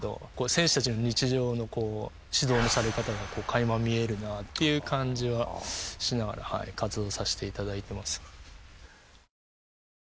選手たちの日常の指導のされ方が垣間見えるなっていう感じはしながら活動させていただいてます。